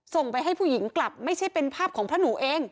ส่งไปให้ผู้หญิงกลับไม่ใช่เป็นภาพของพระหนูเอง